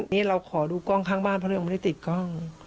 นี่เราขอดูกล้องข้างบ้านเพราะเราไม่ได้ติดกล้อง